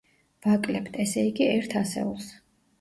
ვაკლებთ, ესე იგი, ერთ ასეულს.